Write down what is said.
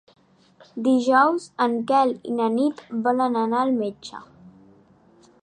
Dijous en Quel i na Nit volen anar al metge.